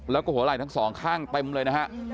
แล้วก็หัวไหล่ทั้งสองข้างเต็มเลยนะฮะ